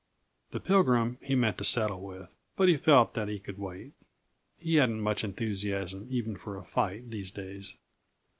The Pilgrim he meant to settle with, but he felt that he could wait; he hadn't much enthusiasm even for a fight, these days.